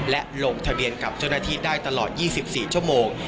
และลงทะเบียนกับเจ้าหน้าที่ได้ตลอด๒๔ชั่วโมง